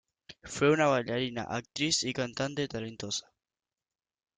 Fue una bailarina, actriz y cantante talentosa.